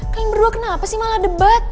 kang berdua kenapa sih malah debat